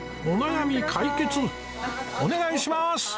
お悩み解決お願いします！